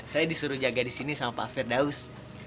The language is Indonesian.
saya disuruh jaga di sini sama pak firdaus